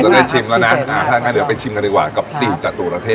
ก็ได้ชิมแล้วนะเดี๋ยวไปชิมกันดีกว่ากับสิ่งจตุรเทศครับผม